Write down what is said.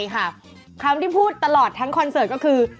คำที่พูดตลอดทั้งคอนเสิร์ตก็คือ